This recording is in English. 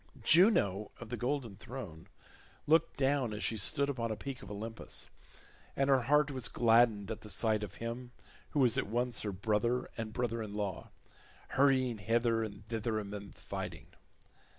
Juno of the golden throne looked down as she stood upon a peak of Olympus and her heart was gladdened at the sight of him who was at once her brother and her brother in law, hurrying hither and thither amid the fighting.